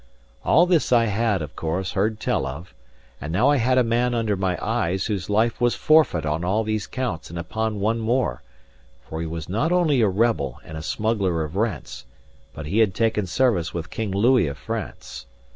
All this I had, of course, heard tell of; and now I had a man under my eyes whose life was forfeit on all these counts and upon one more, for he was not only a rebel and a smuggler of rents, but had taken service with King Louis of France.